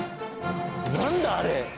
なんだあれ？